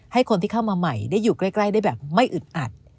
ให้คนที่เข้ามาใหม่ได้อยู่ใกล้ได้แบบไม่อึดอัด